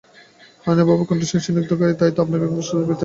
হারানবাবু কণ্ঠস্বর স্নিগ্ধ করিয়া কহিলেন, তাই তো, আপনাকে খুব কষ্ট পেতে হয়েছে।